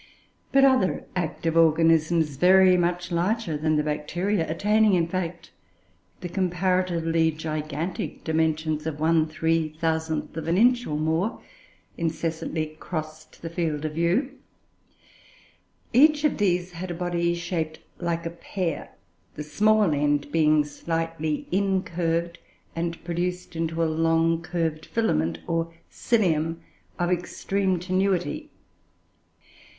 But other active organisms, very much larger than the Bacteria, attaining in fact the comparatively gigantic dimensions of 1/3000 of an inch or more, incessantly crossed the field of view. Each of these had a body shaped like a pear, the small end being slightly incurved and produced into a long curved filament, or cilium, of extreme tenuity.